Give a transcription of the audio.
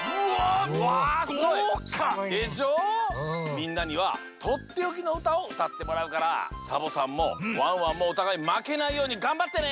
みんなにはとっておきのうたをうたってもらうからサボさんもワンワンもおたがいまけないようにがんばってね！